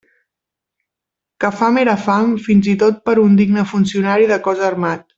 Que fam era fam, fins i tot per a un digne funcionari de cos armat.